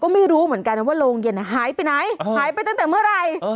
ไม่รู้เหมือนกันนะว่าโรงเย็นหายไปไหนหายไปตั้งแต่เมื่อไหร่